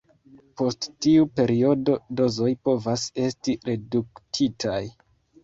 Post tiu periodo, dozoj povas esti reduktitaj.